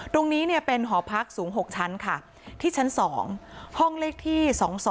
ตรงนี้เป็นหอพักสูง๖ชั้นค่ะที่ชั้น๒ห้องเลขที่๒๒